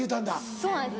そうなんです。